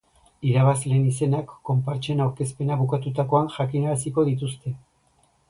Irabazleen izenak konpartsen aurkezpena bukatutakoan jakinaraziko dituzte.